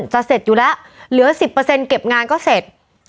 เสร็จอยู่แล้วเหลือ๑๐เก็บงานก็เสร็จ